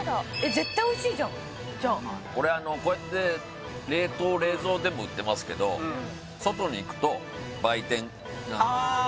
絶対おいしいじゃんじゃあこれあのこうやって冷凍冷蔵でも売ってますけど外に行くと売店ああ